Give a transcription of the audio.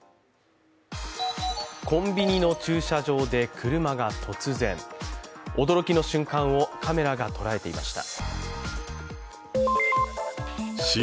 コンビニの駐車場で車が突然驚きの瞬間をカメラが捉えていました。